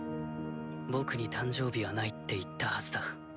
僕に誕生日はないって言ったはずだ。